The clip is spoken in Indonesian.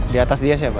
di atas dia siapa